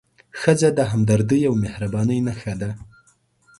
ښځه د همدردۍ او مهربانۍ نښه ده.